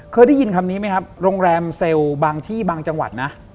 เคยได้ยินคำนี้ไหมครับโรงแรมเซลล์บางที่บางจังหวัดนะ